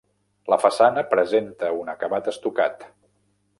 La façana presenta un acabat estucat.